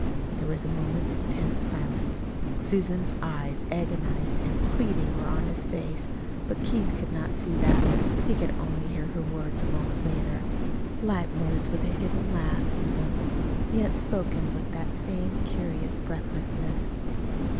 There was a moment's tense silence. Susan's eyes, agonized and pleading, were on his face. But Keith could not see that. He could only hear her words a moment later light words, with a hidden laugh in them, yet spoken with that same curious breathlessness.